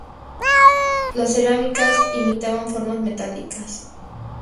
Las cerámicas imitaban formas metálicas.